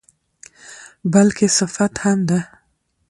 بلکې صفت هم ده.